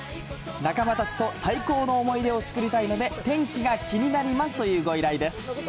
仲間たちと最高の思い出を作りたいので、天気が気になりますというご依頼です。